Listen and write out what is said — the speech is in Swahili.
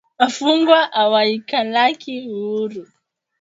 Wafungwa awaikalaki huuru